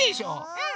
うん！